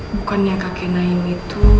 bukannya kakek naim itu